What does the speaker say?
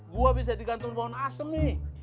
gue bisa digantung di pohon asem nih